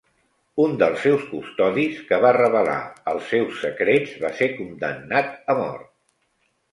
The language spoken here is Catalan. Un dels seus custodis que va revelar els seus secrets va ser condemnat a mort.